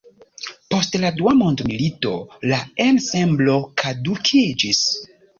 Post la Dua mondmilito la ensemblo kadukiĝis.